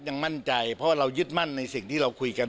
ยังมั่นใจเพราะว่าเรายึดมั่นในสิ่งที่เราคุยกัน